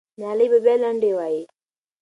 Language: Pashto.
ملالۍ به بیا لنډۍ وایي.